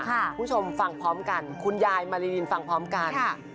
คุณผู้ชมฟังพร้อมกันคุณยายมาริยินฟังพร้อมกัน